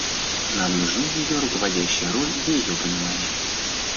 Нам нужны ее руководящая роль и ее понимание.